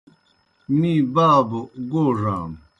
می بابوْ گوڙانو۔